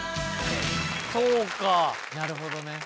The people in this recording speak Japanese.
そうかなるほどね。